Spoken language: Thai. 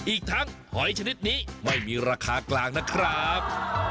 อีกทั้งหอยชนิดนี้ไม่มีราคากลางนะครับ